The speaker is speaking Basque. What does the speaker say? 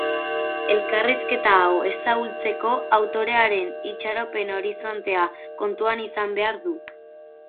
Elkarrizketa hau ez ahultzeko, autorearen itxaropen-horizontea kontuan izan behar du.